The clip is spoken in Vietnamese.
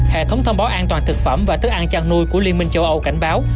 hệ thống thông báo an toàn thực phẩm và thức ăn chăn nuôi của liên minh châu âu cảnh báo